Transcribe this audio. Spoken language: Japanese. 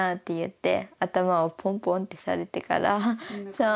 そう。